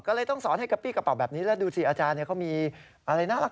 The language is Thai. ก็เลยต้องสอนให้กระปี้กระเป๋าแบบนี้แล้วดูสิอาจารย์เขามีอะไรน่ารัก